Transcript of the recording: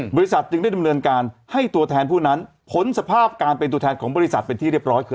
จึงได้ดำเนินการให้ตัวแทนผู้นั้นพ้นสภาพการเป็นตัวแทนของบริษัทเป็นที่เรียบร้อยคือ